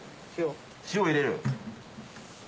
塩入れる？